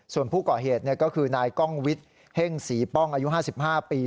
ส่วนผู้ก่อเหตุก็คือนายกล้องวิทย์เฮ่งศรีป้องอายุ๕๕ปี